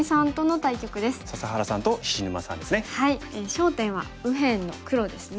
焦点は右辺の黒ですね。